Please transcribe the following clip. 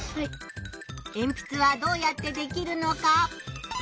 えんぴつはどうやってできるのか。